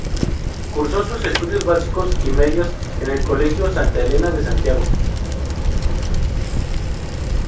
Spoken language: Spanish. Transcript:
Cursó sus estudios básicos y medios en el Colegio Santa Elena de Santiago.